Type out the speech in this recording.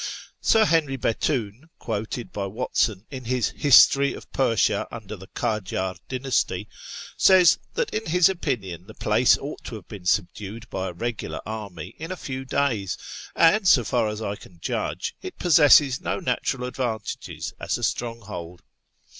Sir Henry Bethune, quoted by Watson in his History of Persia render the Kdjdr Dynasty, says that in his opinion the place ought to have been subdued by a regular army in a few days, and, so far as I can judge, it possesses no natural advantages as a stronghold.